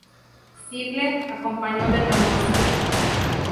Ziegler acompañó de nuevo a Sia.